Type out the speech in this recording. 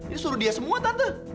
ya suruh dia semua tante